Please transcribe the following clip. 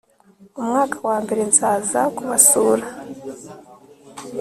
umwaka wa mbere nzaza kubasura